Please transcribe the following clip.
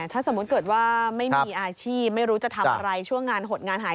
ถ้าสมมุติเกิดว่าไม่มีอาชีพไม่รู้จะทำอะไรช่วงงานหดงานหาย